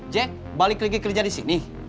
jack balik lagi kerja di sini